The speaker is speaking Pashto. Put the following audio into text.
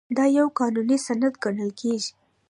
دا یو قانوني سند ګڼل کیږي.